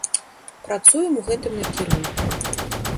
Працуем у гэтым накірунку.